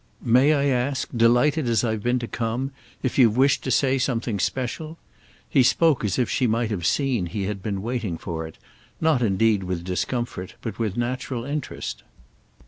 "May I ask, delighted as I've been to come, if you've wished to say something special?" He spoke as if she might have seen he had been waiting for it—not indeed with discomfort, but with natural interest.